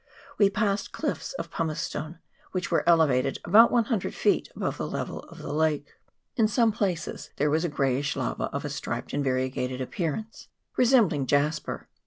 We passed cliffs of pumice stone, which were elevated about one hundred feet above the level of the lake. In some places there was a greyish lava of a striped and variegated ap pearance, resembling jasper.